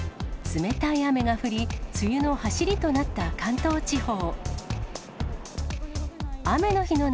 冷たい雨が降り、梅雨のはしりとなった関東地方。